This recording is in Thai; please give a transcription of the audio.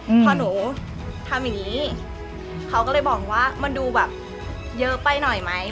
พ่อหนูทำอย่างงี้เขาก็เลยบอกว่ามันดูแบบเยอะไปหน่อยไหม